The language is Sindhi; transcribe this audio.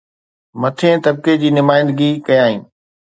مٿئين طبقي جي نمائندگي ڪيائين